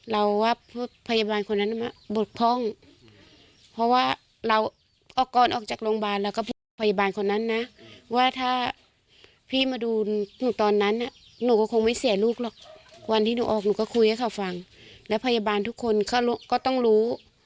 แล้วพยาบาลทุกคนก็ต้องรู้